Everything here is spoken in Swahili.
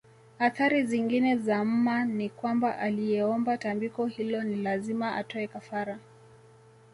Athari zingine za mma ni kwamba aliyeomba tambiko hilo ni lazima atoe kafara